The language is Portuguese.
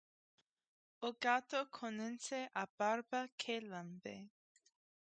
O gato conhece a barba que lambe.